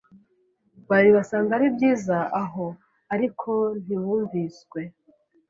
Babiri basanga ari byiza aho ariko ntibumviswe